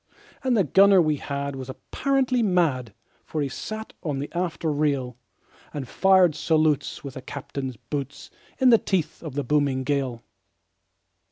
And the gunner we had was apparently mad, For he sat on the after rail, And fired salutes with the captain's boots, In the teeth of the booming gale.